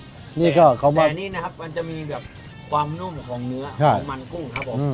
แต่นี่นะครับมันจะมีความนุ่มของเนื้อของมันกุ้งครับผม